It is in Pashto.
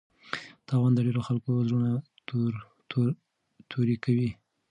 تاوان د ډېرو خلکو زړونه توري کوي.